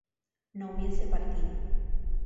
no hubiese partido